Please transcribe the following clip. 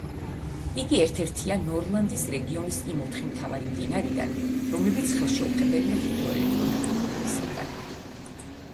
იგი ერთ-ერთია ნორლანდის რეგიონის იმ ოთხი მთავარი მდინარიდან, რომლებიც ხელშეუხებელია ჰიდროელექტრო ნაგებობებისაგან.